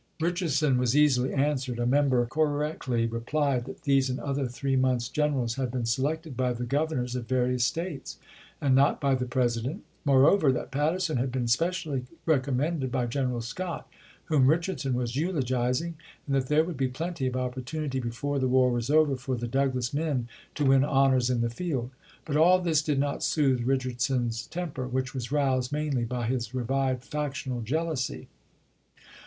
Richardson was easily answered. A Member cor rectly replied that these and other three months' generals had been selected by the Governors of BULL EUN 365 various States, and not by the President; more chap.xx. over, that Patterson had been specially recom mended by General Scott, whom Richardson was eulogizing, and that there would be plenty of op portunity before the war was over for the Douglas men to win honors in the field. But all this did not soothe Richardson's temper, which was roused mainly by his revived factional jealousy.